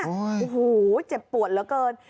โอ้โหเจ็บปวดเหลือเกิน